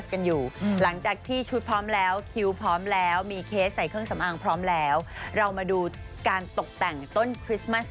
เอาเน็กไทเอาเน็กไทมาทำเป็นต้นคริสต์มาร์ต